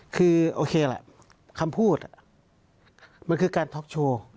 คือคำพูดมันคือการท็อกโชว์